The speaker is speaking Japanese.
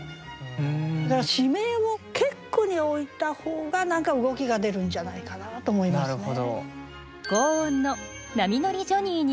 だから地名を結句に置いた方が何か動きが出るんじゃないかなと思いますね。